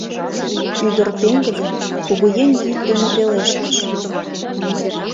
Ӱдыр пеҥгыдын, кугуеҥ йӱк дене пелештыш: